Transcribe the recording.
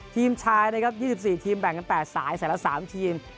ทีมไทย๒๔ทีมแบ่งกัน๘สายสายละ๓ทีม